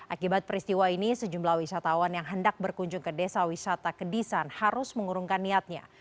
akibat peristiwa ini sejumlah wisatawan yang hendak berkunjung ke desa wisata kedisan harus mengurungkan niatnya